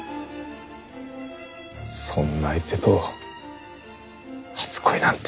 そんな相手と初恋なんて。